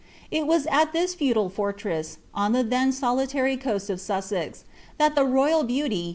It was at this feudal fodms, on (he iheii solitary coast of Sussex, that the royal baauly.